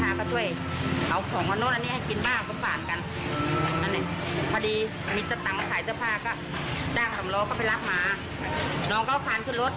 น้องก็เอาขันขึ้นรถเราก็รับมา